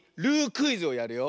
クイズをやるよ。